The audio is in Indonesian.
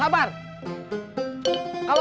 ya baik pak